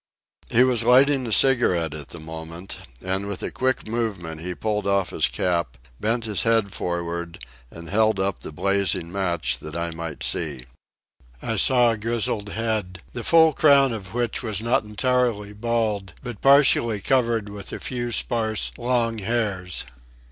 He was lighting a cigarette at the moment, and with a quick movement he pulled off his cap, bent his head forward, and held up the blazing match that I might see. I saw a grizzled head, the full crown of which was not entirely bald, but partially covered with a few sparse long hairs.